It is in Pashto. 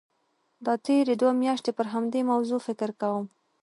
دا تېرې دوه میاشتې پر همدې موضوع فکر کوم.